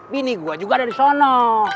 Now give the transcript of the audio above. bini gue juga ada disono